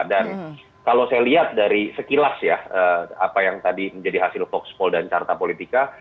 dan kalau saya lihat dari sekilas ya apa yang tadi menjadi hasil vox pol dan carta politika